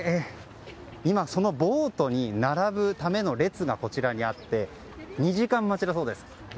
今、そのボートに並ぶための列がこちらにあって２時間待ちだそうです。